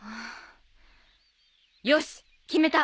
よし決めた！